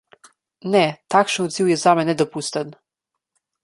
Ne, takšen odziv je zame nedopusten.